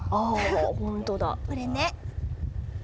これね。